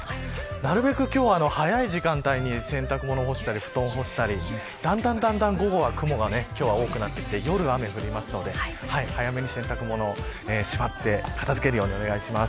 なるべく今日は、早い時間帯に洗濯物を干したり布団を干したりだんだん午後は雲が多くなってきて夜は雨が降りますので早めに洗濯物をしまって片付けるようにお願いします。